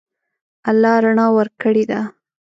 الله رڼا ورکړې ده.